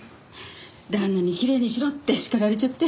旦那にきれいにしろって叱られちゃって。